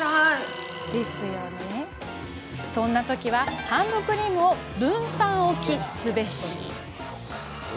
そんなときはハンドクリームを分散置きすべし。